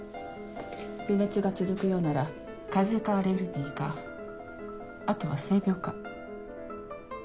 微熱が続くようなら風邪かアレルギーかあとは性病か。